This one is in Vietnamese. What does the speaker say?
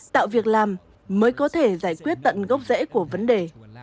tạo việc làm mới có thể giải quyết tận gốc rễ của vấn đề